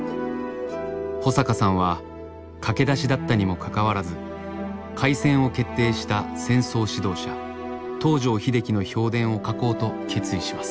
保阪さんは駆け出しだったにもかかわらず開戦を決定した戦争指導者東條英機の評伝を書こうと決意します。